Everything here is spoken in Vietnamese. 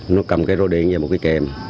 nó cầm cái rô điện và một cái kèm